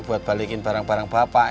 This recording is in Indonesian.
buat balikin barang barang bapak